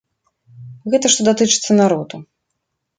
Гэта што датычыцца народу.